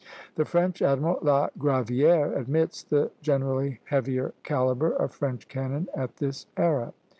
The French admiral La Gravière admits the generally heavier calibre of French cannon at this era.